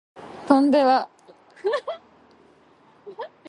Tondela.